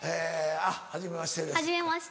あっはじめましてです。